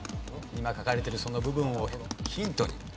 今書かれてるその部分をヒントに。